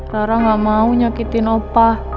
rara gak mau nyakitin opa